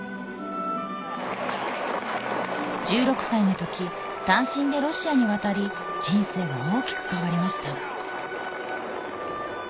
１６歳の時単身でロシアに渡り人生が大きく変わりました